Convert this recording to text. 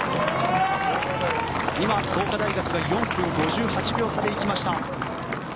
今、創価大学が４分５８秒差で行きました。